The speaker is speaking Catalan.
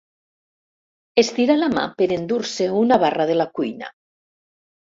Estira la mà per endur-se una barra de la cuina.